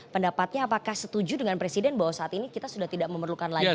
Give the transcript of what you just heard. pendapatnya apakah setuju dengan presiden bahwa saat ini kita sudah tidak memerlukan lagi